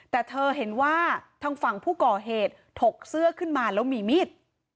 แต่เธอเห็นว่าทางฝั่งผู้ก่อเหตุถกเสื้อขึ้นมาแล้วมีมีด